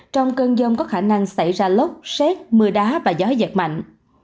trong cơn rông có khả năng xảy ra lốc xét mưa đá và gió giật mạnh